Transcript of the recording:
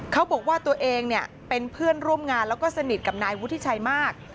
เขาบอกว่าตัวเองเนี่ยเป็นเพื่อนร่วมงานแล้วก็สนิทกับนายวุฒิชัยมาก